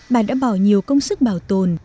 bà đã bảo nhiều công sức bảo tồn